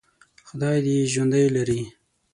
خدای دې یې ژوندي لري.